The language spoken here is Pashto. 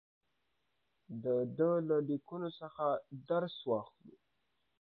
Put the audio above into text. د ده له لیکنو څخه درس واخلو.